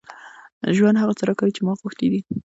ژوند هغه څه راکوي چې ما غوښتي دي.